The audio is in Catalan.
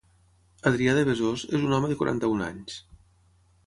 Adrià de Besòs, és un home de quaranta-un anys.